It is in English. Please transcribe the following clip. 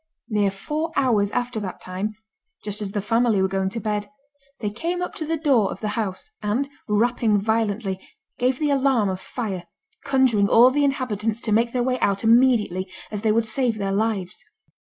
Near four hours after that time (just as the family were going to bed) they came up to the doors of the house, and rapping violently, gave the alarm of fire, conjuring all the inhabitants to make their way out immediately, as they would save their lives.